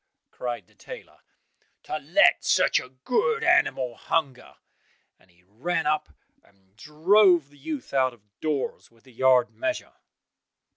cried the tailor, "to let such a good animal hunger," and he ran up and drove the youth out of doors with the yard measure.